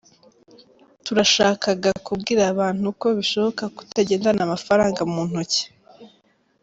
Turashakaga kubwira abantu ko bishoboka kutagendana amafaranga mu ntoki.